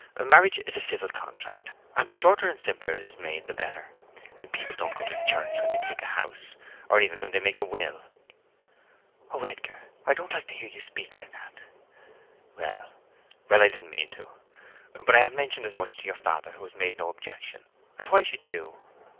"Marriage is a civil contract, and the shorter and simpler it is made the better. People don't go to church when they take a house, or even when they make a will." "Oh, Edgar—I don't like to hear you speak like that." "Well, well—I didn't mean to. But I have mentioned as much to your father, who has made no objection; and why should you?"